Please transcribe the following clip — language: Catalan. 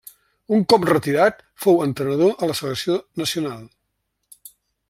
Un cop retirat fou entrenador a la selecció nacional.